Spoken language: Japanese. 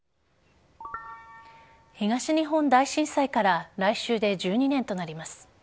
東日本大震災から来週で１２年となります。